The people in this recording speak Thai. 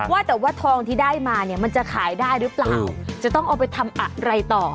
ว่าแต่ว่าทองที่ได้มาเนี่ยมันจะขายได้หรือเปล่าจะต้องเอาไปทำอะไรต่อ